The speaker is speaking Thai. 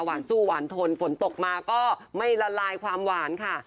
สู้หวานทนฝนตกมาก็ไม่ละลายความหวานค่ะ